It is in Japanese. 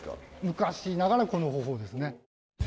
昔ながらこの方法ですね。